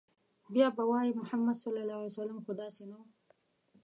بيا به وايي، محمد ص خو داسې نه و